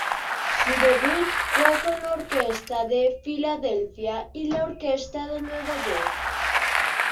Su debut fue con la Orquesta de Philadelphia, y la Orquesta de Nueva York.